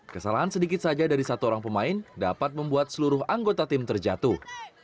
kesalahan sedikit saja dari satu orang pemain dapat membuat seluruh anggota tim terjatuh